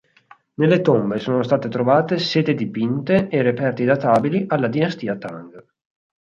Nelle tombe sono state trovate sete dipinte e reperti databili alla dinastia Tang.